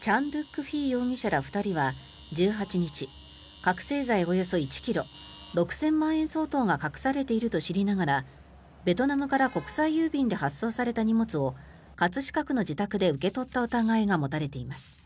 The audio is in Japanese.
チャン・ドゥック・フィー容疑者ら２人は１８日、覚醒剤およそ１ｋｇ６０００万円相当が隠されていると知りながらベトナムから国際郵便で発送された荷物を葛飾区の自宅で受け取った疑いが持たれています。